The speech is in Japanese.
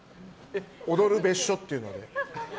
踊る別所っていうのが。